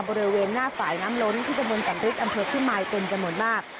บริเวณหน้าฝ่ายน้ำล้นที่ตะบนแก่นฤทธิอำเภอพิมายเป็นจำนวนมาก